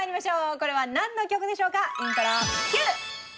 これはなんの曲でしょうか？